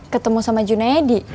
ketemu sama junaedi